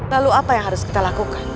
lalu apa yang harus kita lakukan